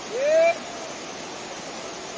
เฮ้ย